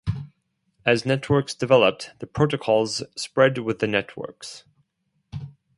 As networks developed, the protocols spread with the networks.